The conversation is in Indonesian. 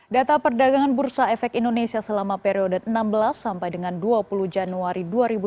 data perdagangan bursa efek indonesia selama periode enam belas sampai dengan dua puluh januari dua ribu dua puluh